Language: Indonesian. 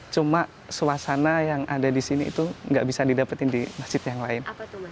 cuma suasana yang ada di sini itu nggak bisa didapetin di masjid yang lain